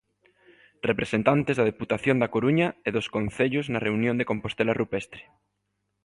Representantes da Deputación da Coruña e dos concellos na reunión de Compostela Rupestre.